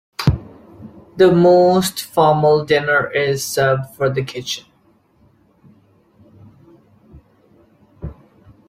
The most formal dinner is served from the kitchen.